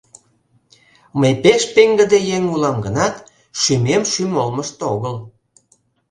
Мый пеш пеҥгыде еҥ улам гынат, шӱмем шӱм олмышто огыл.